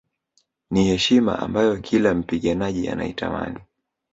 Ni heshima ambayo kila mpiganaji anaitamani